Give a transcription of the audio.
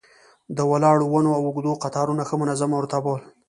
د ولاړو ونو اوږد قطارونه ښه منظم او مرتب ول.